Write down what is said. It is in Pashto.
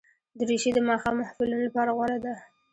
دریشي د ماښام محفلونو لپاره غوره ده.